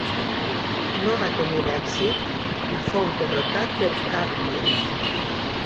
No va tenir èxit i fou derrotat per Càbries.